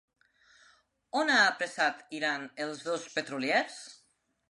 On ha apressat Iran els dos petroliers?